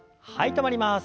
止まります。